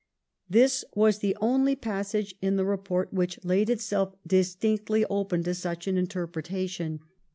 This was the only passage in the report which laid itself distinctly open to such an interpretation.